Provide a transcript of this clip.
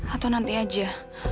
atau nanti aja